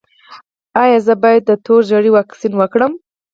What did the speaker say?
ایا زه باید د تور ژیړي واکسین وکړم؟